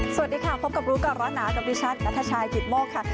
สวัสดีค่ะพบกับลูกก่อนร้อนหนาวกับพี่ชันและท่าชายขีดโมกค่ะ